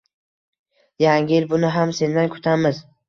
Yangi yil, buni ham sendan kutamiz